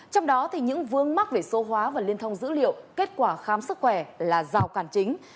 trong đó những vướng mắc về số hóa và liên thông dữ liệu kết quả khám sức khỏe là rào cản chính